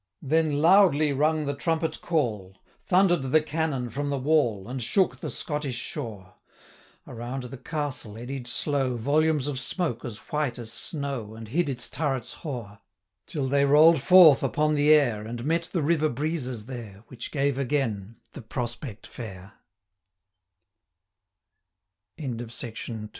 Then loudly rung the trumpet call; 545 Thunder'd the cannon from the wall, And shook the Scottish shore; Around the castle eddied slow, Volumes of smoke as white as snow, And hid its turrets hoar; 550 Till they roli'd forth upon the air, And met the river breezes there, Which gave again the pros